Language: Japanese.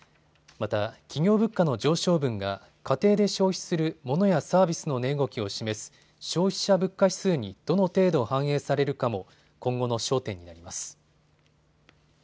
また、企業物価の上昇分が家庭で消費するモノやサービスの値動きを示す消費者物価指数にどの程度反映されるかも今後の焦点になります。